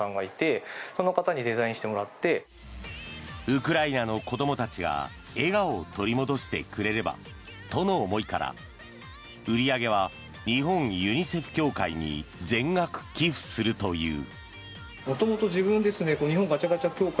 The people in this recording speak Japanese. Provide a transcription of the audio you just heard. ウクライナの子どもたちが笑顔を取り戻してくれればとの思いから売り上げは日本ユニセフ協会に全額寄付するという。